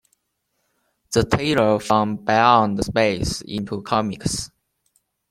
The Terror from Beyond Space into comics.